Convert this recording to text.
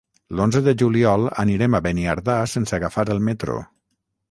L'onze de juliol anirem a Beniardà sense agafar el metro.